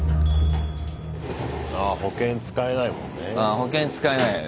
保険使えないよね。